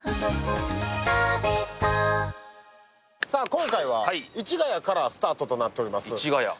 今回は市ヶ谷からスタートとなっております。